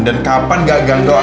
dan kapan gak ganteng aku makan